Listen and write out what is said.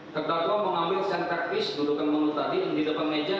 dua puluh delapan dua puluh terdakwa mengambil senter pis dudukkan menu tadi yang di depan meja